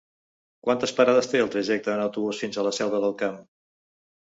Quantes parades té el trajecte en autobús fins a la Selva del Camp?